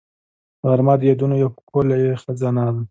غرمه د یادونو یو ښکلې خزانه ده